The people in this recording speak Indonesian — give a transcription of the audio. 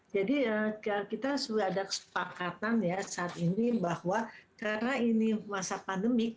jadi kita sudah ada kesepakatan saat ini bahwa karena ini masa pandemik